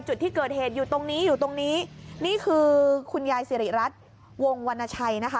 จุดที่เกิดเหตุอยู่ตรงนี้อยู่ตรงนี้นี่คือคุณยายสิริรัตน์วงวรรณชัยนะคะ